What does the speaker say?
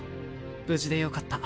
無事でよかった。